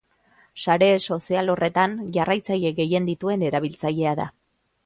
Sare sozial horretan jarraitzaile gehien dituen erabiltzailea da.